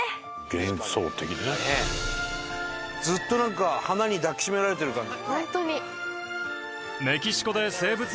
ずっとなんか花に抱きしめられてる感じ。